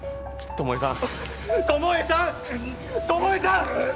巴さん！